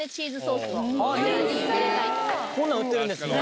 こんなん売ってるんですね。